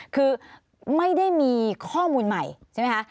คือไม่ได้มีข้อมูลใหม่ใช่ไหมคะ